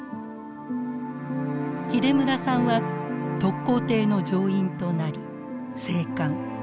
秀村さんは特攻艇の乗員となり生還。